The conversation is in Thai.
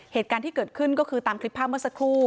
เหตุการณ์ที่เกิดขึ้นก็คือตามคลิปภาพเมื่อสักครู่